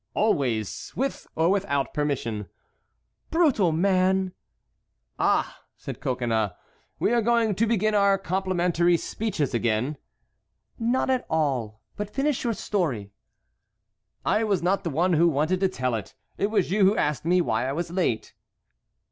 "Always, with or without permission." "Brutal man!" "Ah!" said Coconnas, "we are going to begin our complimentary speeches again." "Not at all; but finish your story." "I was not the one who wanted to tell it. It was you who asked me why I was late."